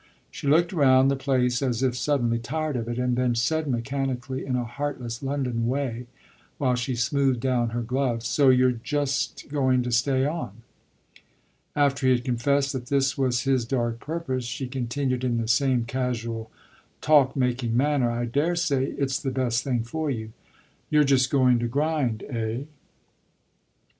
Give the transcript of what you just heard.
She looked round the place as if suddenly tired of it and then said mechanically, in a heartless London way, while she smoothed down her gloves, "So you're just going to stay on?" After he had confessed that this was his dark purpose she continued in the same casual, talk making manner: "I daresay it's the best thing for you. You're just going to grind, eh?"